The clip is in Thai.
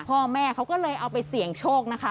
พ่อแม่เขาก็เลยเอาไปเสี่ยงโชคนะคะ